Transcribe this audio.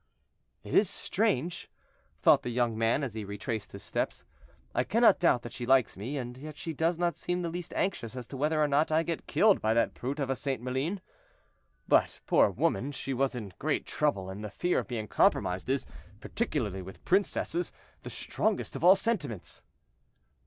"It is strange," thought the young man, as he retraced his steps; "I cannot doubt that she likes me, and yet she does not seem the least anxious as to whether or not I get killed by that brute of a St. Maline. But, poor woman, she was in great trouble, and the fear of being compromised is, particularly with princesses, the strongest of all sentiments."